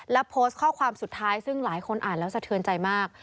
และโพสต์ข้อความสุดท้ายซึ่งหลายคนอ่านแล้วสะเทือนใจมาก